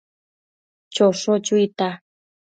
Chosho chuita